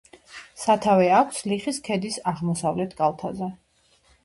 სათავე აქვს ლიხის ქედის აღმოსავლეთ კალთაზე.